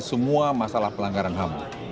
semua masalah pelanggaran ham